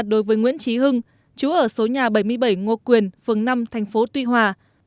đối với nguyễn trí hưng chú ở số nhà bảy mươi bảy ngô quyền phường năm thành phố tuy hòa